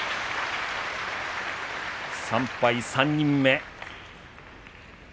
３敗、３人目。